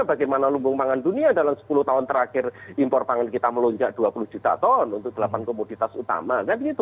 bagaimana lumbung pangan dunia dalam sepuluh tahun terakhir impor pangan kita melonjak dua puluh juta ton untuk delapan komoditas utama